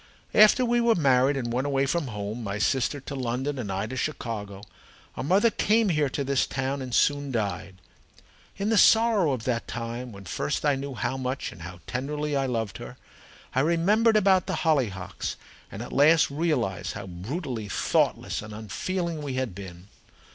"After we were married and went away from home my sister to London and I to Chicago our mother came here to this town and soon died. In the sorrow of that time, when first I knew how much and how tenderly I loved her, I remembered about the hollyhocks, and at last realized how brutally thoughtless and unfeeling we had been.